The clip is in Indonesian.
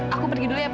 aku pergi dulu ya pak